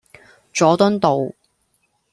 佐敦道